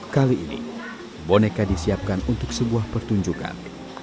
kali ini boneka disiapkan untuk sebuah pertunjukan